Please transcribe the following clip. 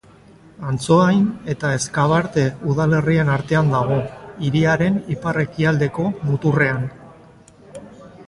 Antsoain eta Ezkabarte udalerrien artean dago, hiriaren ipar-ekialdeko muturrean.